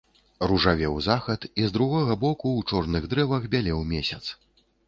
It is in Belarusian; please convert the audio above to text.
Ружавеў захад і з другога боку ў чорных дрэвах бялеў месяц.